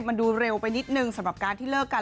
มันดูเร็วไปนิดนึงสำหรับการที่เลิกกัน